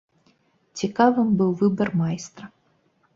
Цікавым быў выбар майстра.